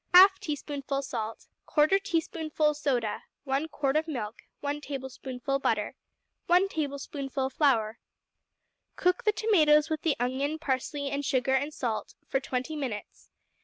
1/2 teaspoonful salt. 1/4 teaspoonful soda. 1 quart of milk. 1 tablespoonful butter. 1 tablespoonful flour. Cook the tomatoes with the onion, parsley, sugar, and salt for twenty minutes.